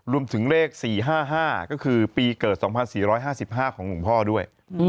รวมถึงเลข๔๕๕ก็คือปีเกิด๒๔๕๕ของหลวงพ่อด้วย